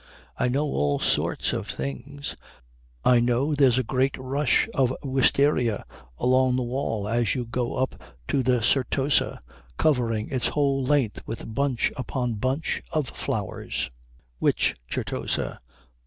I know all sorts of things. I know there's a great rush of wistaria along the wall as you go up to the Certosa, covering its whole length with bunch upon bunch of flowers " "Which Certosa?"